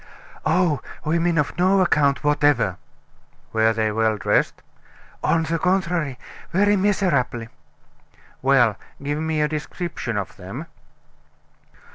"Oh! women of no account whatever!" "Were they well dressed?" "On the contrary, very miserably." "Well, give me a description of them."